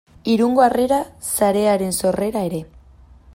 Irungo Harrera Sarearen sorrera ere.